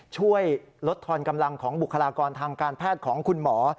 ช่วยลดทอนกำลังของบุคลากรทางการแพทย์ของคุณหมอ